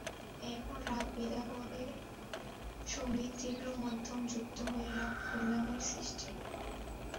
কখনো রাগ বিলাবলের সঙ্গে তীব্র মধ্যম যুক্ত হয়ে রাগ কল্যাণের সৃষ্টি হয়েছে।